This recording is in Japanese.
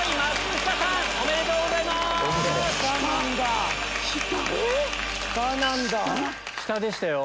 下⁉下でしたよ。